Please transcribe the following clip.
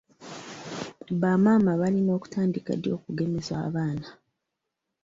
Bamaama balina kutandika ddi okugemesa abaana?